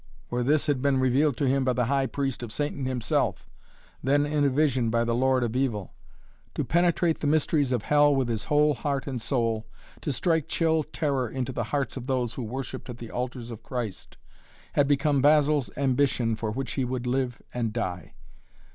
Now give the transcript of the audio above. For this had been revealed to him by the High Priest of Satan himself, then in a vision by the Lord of Evil. To penetrate the mysteries of Hell with his whole heart and soul, to strike chill terror into the hearts of those who worshipped at the altars of Christ, had become Basil's ambition for which he would live and die.